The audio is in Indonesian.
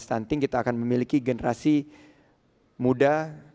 stunting kita akan memiliki generasi muda adalah generasi emas bangsa kita